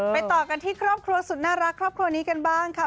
ต่อกันที่ครอบครัวสุดน่ารักครอบครัวนี้กันบ้างค่ะ